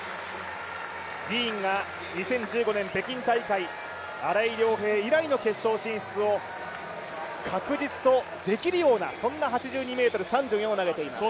ディーンが２０１５年、北京大会、新井涼平以来の決勝進出を確実にできるようなそんな８２ｍ３４を投げています。